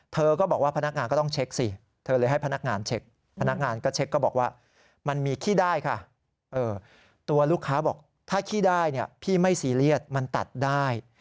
เธอก็บอกว่าพนักงานก็ต้องเช็คสิเธอเลยให้พนักงานเช็คพนักงานก็เช็คก็บอกว่ามันมีขี้ได้ค่ะตัวลูกค้าบอกถ้าขี้ได้เนี่ยพี่ไม่ซีเรียสมันตัดได้